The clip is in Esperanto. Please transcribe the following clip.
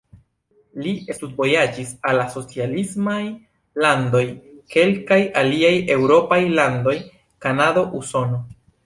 Li studvojaĝis al la socialismaj landoj, kelkaj aliaj eŭropaj landoj, Kanado, Usono.